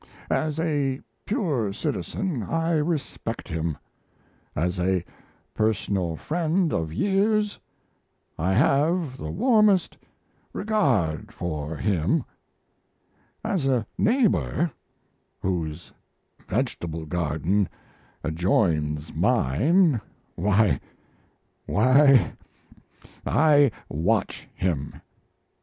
As a pure citizen, I respect him; as a personal friend of years, I have the warmest regard for him; as a neighbour, whose vegetable garden adjoins mine, why why, I watch him.